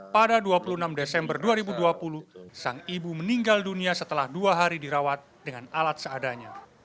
pada dua puluh enam desember dua ribu dua puluh sang ibu meninggal dunia setelah dua hari dirawat dengan alat seadanya